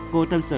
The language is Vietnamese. cô thâm sự